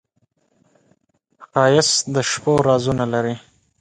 ښایست د شپو رازونه لري